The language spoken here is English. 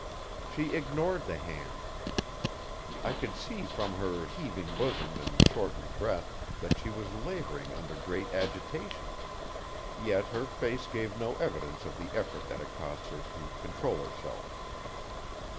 She ignored the hand. I could see from her heaving bosom and shortened breath that she was laboring under great agitation. Yet her face gave no evidence of the effort that it cost her to control herself.